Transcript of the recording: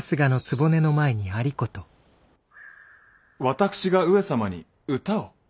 私が上様に歌を？